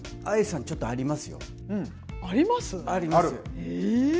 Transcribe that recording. ＡＩさんちょっとありますよ。あります？